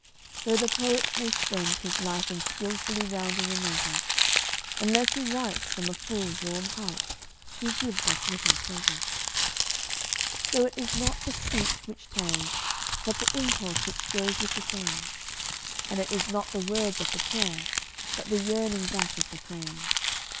Though the poet may spend his life in skilfully rounding a measure, Unless he writes from a full, warm heart he gives us little pleasure. So it is not the speech which tells, but the impulse which goes with the saying; And it is not the words of the prayer, but the yearning back of the praying.